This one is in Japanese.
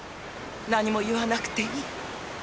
何も言わなくていい。